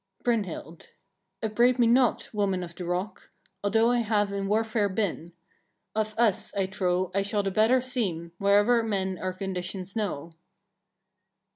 Brynhild. 3. "Upbraid me not, woman of the rock! although I have in warfare been. Of us, I trow, I shall the better seem, wherever men our conditions know."